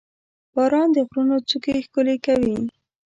• باران د غرونو څوکې ښکلې کوي.